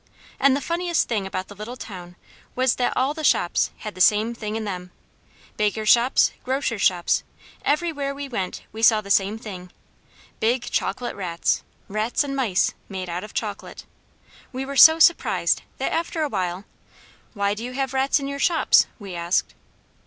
And the funniest thing about the little town was that all the shops had the same thing in them; bakers' shops, grocers' shops, everywhere we went we saw the same thing, big chocolate rats, rats and mice, made out of chocolate. We were so surprised that after a while, "Why do you have rats in your shops?" we asked.